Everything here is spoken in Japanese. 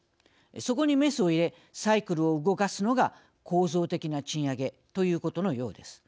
そこにメスを入れサイクルを動かすのが構造的な賃上げということのようです。